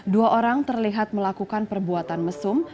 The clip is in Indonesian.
dua orang terlihat melakukan perbuatan mesum